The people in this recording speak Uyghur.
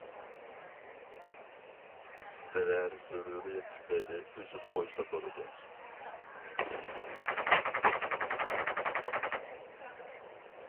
بىرەر زۆرۈرىيەت تۈپەيلى ئۈزۈپ قويسا بولىدۇ.